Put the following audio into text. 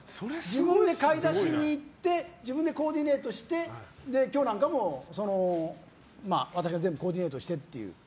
自分で買い出しに行って自分でコーディネートして今日なんかも、私が全部コーディネートしてっていう。